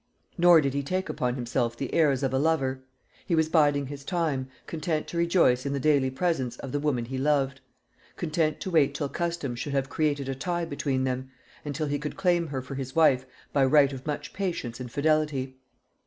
Nor did he take upon himself the airs of a lover. He was biding his time, content to rejoice in the daily presence of the woman he loved; content to wait till custom should have created a tie between them, and till he could claim her for his wife by right of much patience and fidelity.